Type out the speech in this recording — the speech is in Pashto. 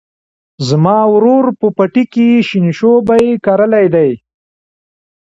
زما ورور په پټي کې شینشوبي کرلي دي.